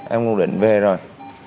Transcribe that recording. em cũng đuổi về rồi